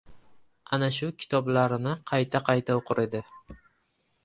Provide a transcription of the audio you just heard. Ana shu kitoblarini qayta-qayta o‘qir edi.